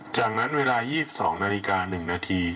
จากนั้นเวลา๒๒นาฬิกา๑นาที